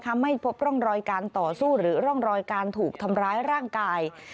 ไม่พบร่องรอยการต่อสู้หรือร่องรอยการถูกทำร้ายร่างกาย